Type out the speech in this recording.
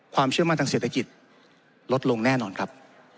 ความเชื่อมั่นทางเศรษฐกิจลดลงแน่นอนครับ